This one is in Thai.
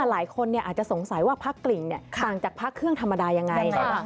หลายคนอาจจะสงสัยว่าพระกลิ่งต่างจากพระเครื่องธรรมดายังไง